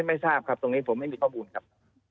ไม่ทราบครับตรงนี้ผมไม่มีข้อมูลครับ